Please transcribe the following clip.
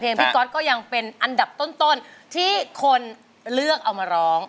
พี่ก๊อตก็ยังเป็นอันดับต้นที่คนเลือกเอามาร้อง